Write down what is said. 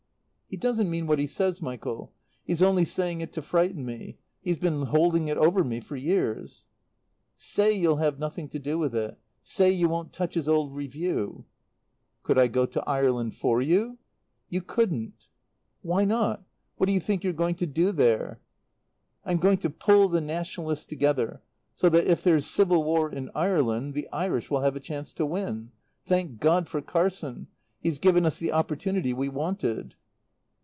"He doesn't mean what he says, Michael. He's only saying it to frighten me. He's been holding it over me for years. "Say you'll have nothing to do with it. Say you won't touch his old Review." "Could I go to Ireland for you?" "You couldn't." "Why not? What do you think you're going to do there?" "I'm going to pull the Nationalists together, so that if there's civil war in Ireland, the Irish will have a chance to win. Thank God for Carson! He's given us the opportunity we wanted."